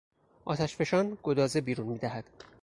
آتشفشان گدازه بیرون میدهد.